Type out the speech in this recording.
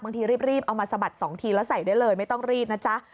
รีบเอามาสะบัด๒ทีแล้วใส่ได้เลยไม่ต้องรีบนะจ๊ะ